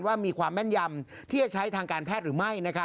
ว่ามีความแม่นยำที่จะใช้ทางการแพทย์หรือไม่